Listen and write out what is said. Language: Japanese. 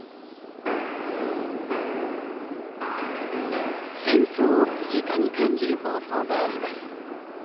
戦争を身近に感じる方法があります。